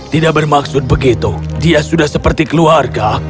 tidak bermaksud begitu dia sudah seperti keluarga